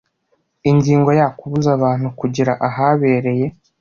Ingingo ya Kubuza abantu kugera ahabereye